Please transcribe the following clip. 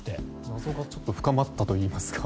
謎がちょっと深まったといいますか。